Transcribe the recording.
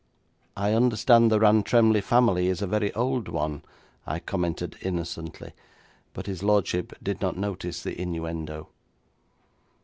'I understand the Rantremly family is a very old one,' I commented innocently, but his lordship did not notice the innuendo.